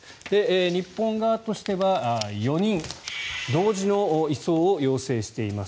日本側としては４人同時の移送を要請しています。